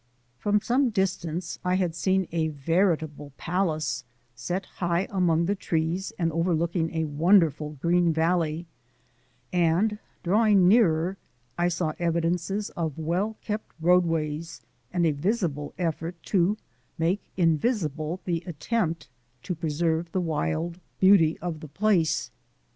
From some distance I had seen a veritable palace set high among the trees and overlooking a wonderful green valley and, drawing nearer, I saw evidences of well kept roadways and a visible effort to make invisible the attempt to preserve the wild beauty of the place.